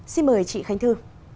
xin mời chị khánh thư